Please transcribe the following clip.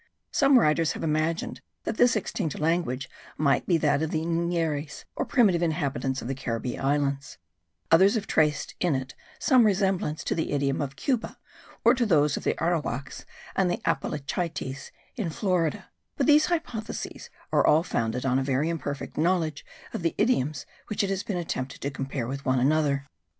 Some writers have imagined that this extinct language might be that of the Ygneris, or primitive inhabitants of the Caribbee Islands; others have traced in it some resemblance to the ancient idiom of Cuba, or to those of the Arowaks, and the Apalachites in Florida: but these hypotheses are all founded on a very imperfect knowledge of the idioms which it has been attempted to compare one with another.